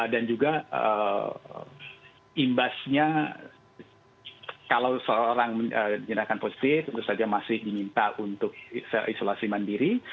dan juga imbasnya kalau seorang menyerahkan positif terus saja masih diminta untuk isolasi mandiri